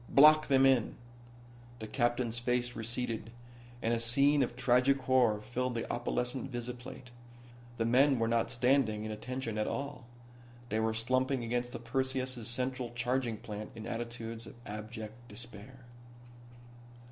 Block them in." The captain's face receded, and a scene of tragic horror filled the opalescent visiplate. The men were not standing at attention at all. They were slumping against the Perseus' central charging plant in attitudes of abject despair.